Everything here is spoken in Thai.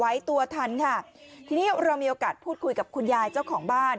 ไว้ตัวทันค่ะทีนี้เรามีโอกาสพูดคุยกับคุณยายเจ้าของบ้าน